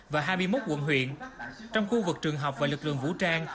và hai mươi một quận huyện trong khu vực trường học và lực lượng vũ trang